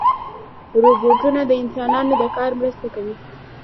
روبوټونه د انسانانو د کار مرسته کوي.